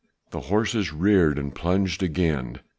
The horses reared and plunged again.